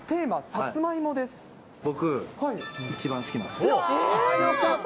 僕、一番好きなんです。